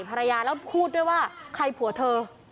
ภรรยาแล้วพูดด้วยว่าใครผัวเธอ